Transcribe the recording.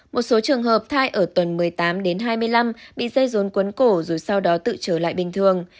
một số trường hợp thai ở tuần một mươi tám đến hai mươi năm bị dây rôn quấn cổ rồi sau đó tự trở lại bình thường